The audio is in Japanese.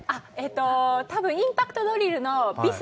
たぶんインパクトドリルのビス